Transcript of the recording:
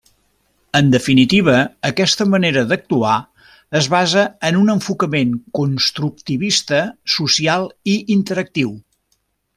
En definitiva aquesta manera d'actuar es basa en un enfocament constructivista, social i interactiu.